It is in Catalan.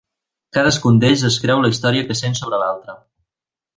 Cadascun d'ells es creu la història que sent sobre l'altre.